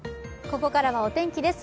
ここからはお天気です。